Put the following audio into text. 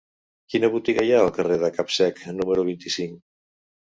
Quina botiga hi ha al carrer de Capsec número vint-i-cinc?